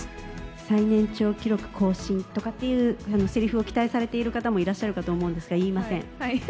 最年長記録更新とかっていうせりふを期待されている方もいらっしゃるかと思いますが、言いません。